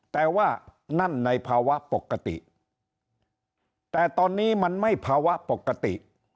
แต่ว่านั่นในภาวะปกติแต่ตอนนี้มันไม่ภาวะปกติ